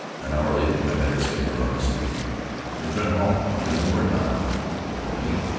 An hour later I met her skipper on the street. "Your friend Hall is homeward bound," he told aae.